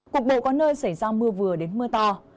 cục bộ có nơi xảy ra mưa vừa đến mưa to